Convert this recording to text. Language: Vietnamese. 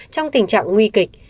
trong tình trạng nguy kịch